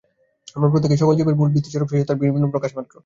আমরা প্রত্যেকেই সকল জীবের মূল ভিত্তিস্বরূপ সেই সত্তার বিভিন্ন বিকাশমাত্র।